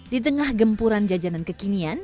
di tengah gempuran jajanan kekinian